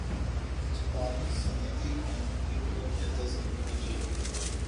جاپانی صنعتی کمپنیوں کو بہتر سمجھنا چاہِیے